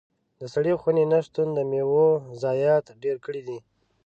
د سړې خونې نه شتون د میوو ضايعات ډېر کړي دي.